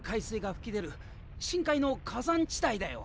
深海の火山地帯だよ。